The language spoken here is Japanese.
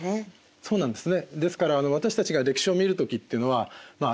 そうなんですね。